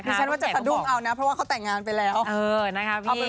ฉันว่าจะสะดุ้งเอานะเพราะว่าเขาแต่งงานไปแล้ว